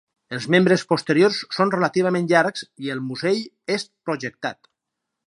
Els membres posteriors són relativament llargs i el musell és projectat.